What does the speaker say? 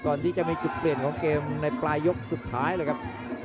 ก่อนที่จะมีจุดเปลี่ยนของเกมในปลายยกสุดท้ายเลยครับ